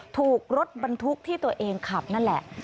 ถูกรถบรรทุกที่ตัวเองขับนั่นแหละ